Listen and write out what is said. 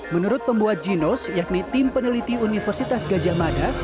menurut pembuat ginos yakni tim peneliti universitas gajah mada